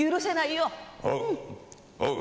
おう！